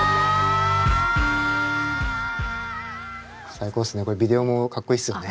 最高っすね。